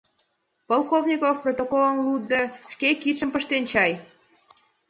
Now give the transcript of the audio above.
— Полковников, протоколым лудде, шке кидшым пыштен чай?